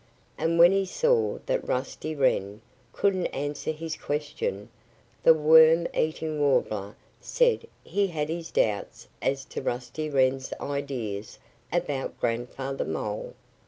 And when he saw that Rusty Wren couldn't answer his question the Worm eating Warbler said he had his doubts as to Rusty Wren's ideas about Grandfather Mole.